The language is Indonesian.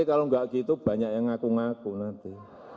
nanti kalau enggak gitu banyak yang ngaku ngaku nanti